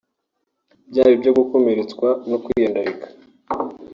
byaba ibyo gukomeretswa no kwiyandarika